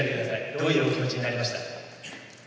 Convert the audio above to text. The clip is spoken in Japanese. どういうお気持ちになりました？